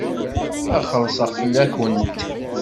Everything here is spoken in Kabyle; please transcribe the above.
Ad xellṣeɣ fell-awent.